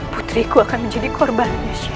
putriku akan menjadi korban